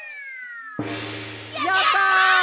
「やったー！！」